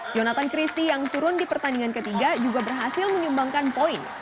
jonathan christie yang turun di pertandingan ketiga juga berhasil menyumbangkan poin